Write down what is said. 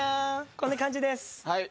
こんな感じです。